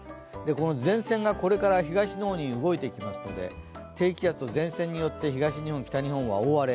前線がこれから東の方に動いていきますので、低気圧と前線によって東日本、北日本は大荒れ。